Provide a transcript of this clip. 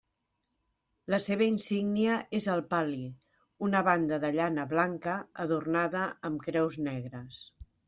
La seva insígnia és el pal·li, una banda de llana blanca adornada amb creus negres.